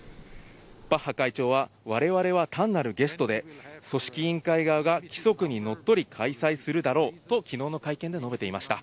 バッハ会長は、われわれは単なるゲストで、組織委員会側が規則にのっとり開催するだろうと、きのうの会見で述べていました。